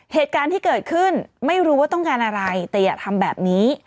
เหตุการณ์ที่เกิดขึ้นไม่รู้ว่าต้องการอะไรแต่อย่าทำแบบนี้